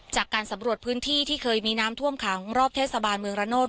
จากการสำหรั่วพื้นที่ที่เคยมีน้ำท่วมขาวรอบเทศสมุทร